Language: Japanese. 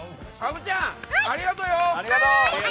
ありがとう！